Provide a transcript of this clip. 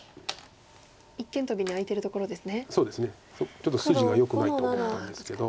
ちょっと筋がよくないと思ったんですけど。